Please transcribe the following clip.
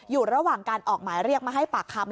อยู่ระหว่างการออกหมายเรียกมาให้ปากคำ